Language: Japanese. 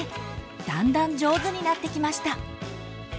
だんだん上手になってきました。